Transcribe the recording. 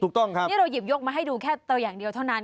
ถูกต้องครับนี่เราหยิบยกมาให้ดูแค่ตัวอย่างเดียวเท่านั้น